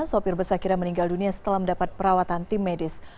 sopir bus akhirnya meninggal dunia setelah mendapat perawatan tim medis